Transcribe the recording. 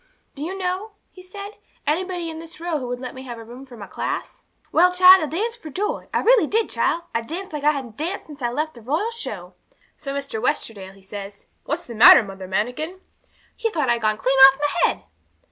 Do you know," he said, "anybody in this row who would let me have a room for my class?" 'Well, child, I danced for joy; I really did, child. I danced like I hadn't danced since I left the Royal Show. So Mr. Westerdale, he says, "What's the matter, Mother Manikin?" He thought I'd gone clean off my head!